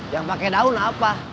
yang pakai daun apa